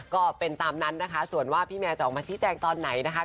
ก็เป็นตามนั้นนะคะส่วนว่าพี่แมนจะออกมาชี้แจงตอนไหนนะคะ